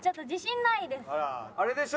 あれでしょ？